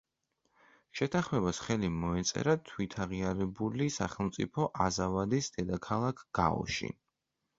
შეთანხმებას ხელი მოეწერა თვითაღიარებული სახელმწიფო აზავადის დედაქალაქ გაოში.